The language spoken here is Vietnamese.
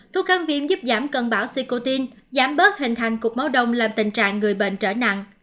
thuốc kháng viêm giúp giảm cân bảo sicoin giảm bớt hình thành cục máu đông làm tình trạng người bệnh trở nặng